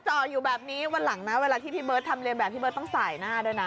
จ่ออยู่แบบนี้วันหลังนะเวลาที่พี่เบิร์ตทำเรียนแบบพี่เบิร์ตต้องสายหน้าด้วยนะ